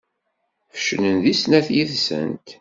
Feclent deg snat yid-sent.